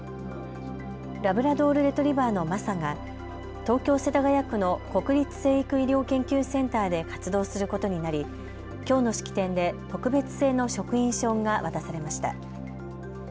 ラブラドール・レトリーバーのマサが東京世田谷区の国立成育医療研究センターで活動することになりきょうの式典で特別製の職員証が渡されました。